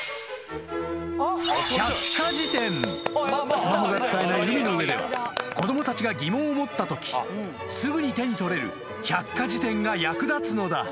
［スマホが使えない海の上では子供たちが疑問を持ったときすぐに手に取れる百科事典が役立つのだ］